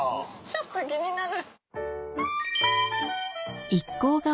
ちょっと気になる。